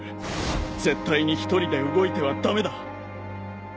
絶対に一人で動いては駄目だ。